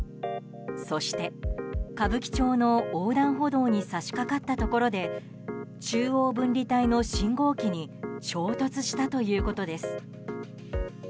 そして歌舞伎町の横断歩道に差し掛かったところで中央分離帯の信号機に衝突したということです。